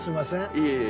いえいえ。